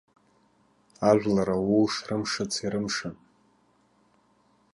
Ажәлар ауу шрымшыц ирымшын.